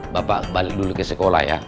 bapak balik dulu ke sekolah ya